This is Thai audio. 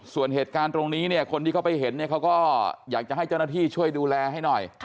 ส่วนเหตุการณ์ตรงนี้เนี่ยคนที่เขาไปเห็นเนี่ยเขาก็อยากจะให้เจ้าหน้าที่ช่วยดูแลให้หน่อย